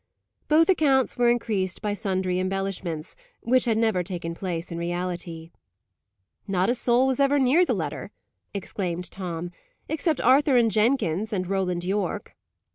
Both accounts were increased by sundry embellishments, which had never taken place in reality. "Not a soul was ever near the letter," exclaimed Tom, "except Arthur and Jenkins, and Roland Yorke."